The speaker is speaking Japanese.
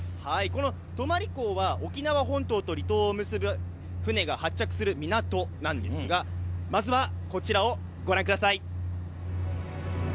この泊港は沖縄本島と離島を結ぶ船が発着する港なんですがまずはこちらをご覧ください。